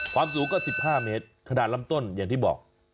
ความสูงก็๑๕เมตรขนาดลำต้นอย่างที่บอก